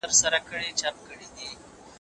ډیپلوماټان کله د مطبوعاتو ازادي تضمینوي؟